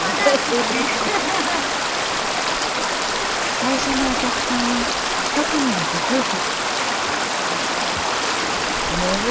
最初のお客さんは一組のご夫婦。